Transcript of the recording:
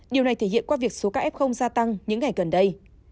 điều này thể hiện qua việc số ca f gia tăng những ngày gần đây